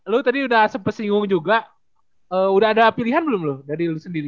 lu tadi udah sepesinggung juga udah ada pilihan belum lu dari lu sendiri